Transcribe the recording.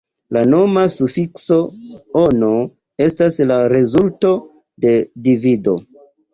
La noma sufikso -ono estas la rezulto de divido.